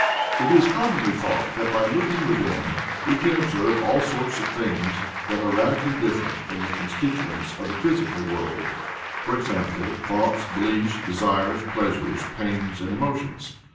It is commonly thought that by looking within we can observe all sorts of things that are radically different from the constituents of the physical world, e.g. thoughts, beliefs, desires, pleasures, pains and emotions.